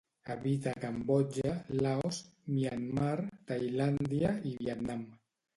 Habita a Cambodja, Laos, Myanmar, Tailàndia i Vietnam.